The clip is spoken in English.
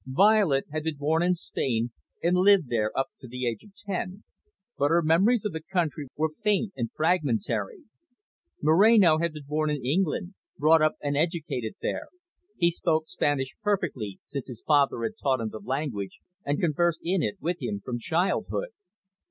Violet had been born in Spain and lived there up to the age of ten, but her memories of the country were faint and fragmentary. Moreno had been born in England, brought up and educated there. He spoke Spanish perfectly since his father had taught him the language, and conversed in it with him from childhood.